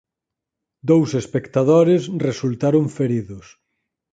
Dous espectadores resultaron feridos.